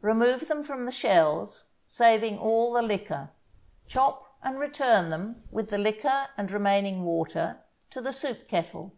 Remove them from the shells, saving all the liquor. Chop and return them, with the liquor and remaining water, to the soup kettle.